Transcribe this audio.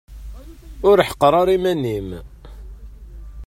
Ur ḥeqqer ara iman-im.